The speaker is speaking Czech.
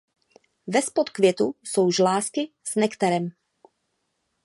Vespod květu jsou žlázky s nektarem.